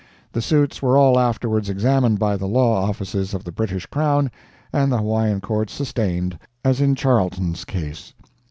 The suits were all afterwards examined by the law officers of the British Crown, and the Hawaiian Courts sustained, as in Charlton's case.